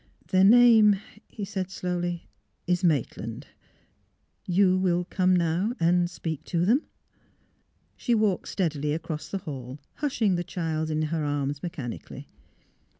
" Their name," he said, slowly, "■ is Maitland. — You will come now and — speak to them? " She walked steadily across the hall, hushing the child in her arms, mechanically.